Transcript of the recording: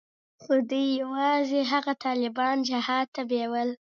خو دوى يوازې هغه طالبان جهاد ته بيول.